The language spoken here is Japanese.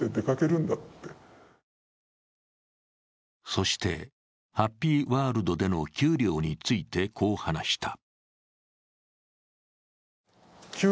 そしてハッピーワールドでの給料について、こう話した。